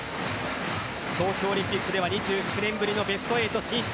東京オリンピックでは２９年ぶりのベスト８進出。